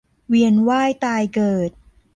เวียนว่ายตายเกิด